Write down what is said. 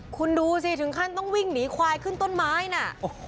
คุณดูสิถึงขั้นต้องวิ่งหนีควายขึ้นต้นไม้น่ะ